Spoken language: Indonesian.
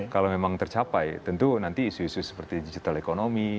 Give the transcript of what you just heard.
kalau memang tercapai tentu nanti isu isu seperti digital economy